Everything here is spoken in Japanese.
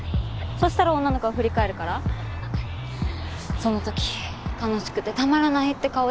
そしたら女の子が振り返るからその時楽しくてたまらないって顔でほほ笑む。